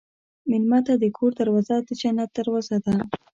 مېلمه ته د کور دروازه د جنت دروازه ده.